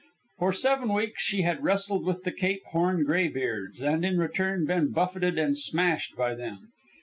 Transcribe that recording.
For seven weeks she had wrestled with the Cape Horn graybeards, and in return been buffeted and smashed by them.